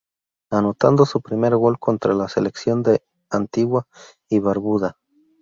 Anotando su primer gol contra la Selección de Antigua y Barbuda.